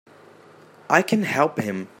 I can help him!